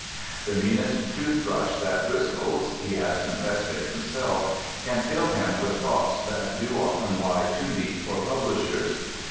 The meanest toothbrush that bristles (he has confessed it himself) can fill him with thoughts that do often lie too deep for publishers.